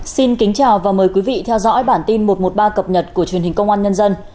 xin kính chào và mời quý vị theo dõi bản tin một trăm một mươi ba cập nhật của truyền hình công an nhân dân